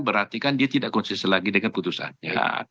berarti kan dia tidak konsisten lagi dengan putusannya